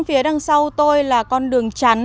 phía đằng sau tôi là con đường chắn